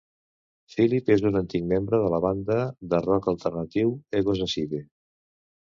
Phillip és un antic membre de la banda de rock alternatiu "Egos Aside".